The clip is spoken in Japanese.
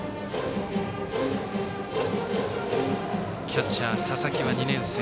キャッチャー、佐々木は２年生。